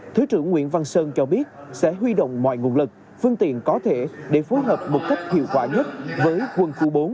thứ trưởng nguyễn văn sơn cho biết sẽ huy động mọi nguồn lực phương tiện có thể để phối hợp một cách hiệu quả nhất với quân khu bốn